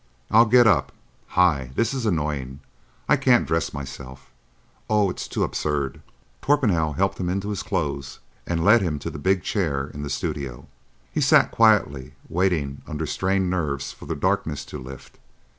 I'll get up. Hi! This is annoying. I can't dress myself. Oh, it's too absurd!" Torpenhow helped him into his clothes and led him to the big chair in the studio. He sat quietly waiting under strained nerves for the darkness to lift.